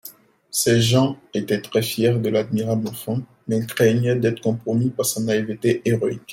Ces gens étaient très-fiers de l'admirable enfant, mais craignaient d'être compromis par sa naïveté héroïque.